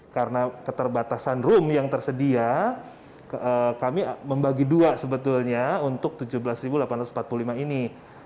karena keterbatasan room yang tersedia kami membagi dua sebetulnya untuk tujuh belas delapan ratus empat puluh lima ini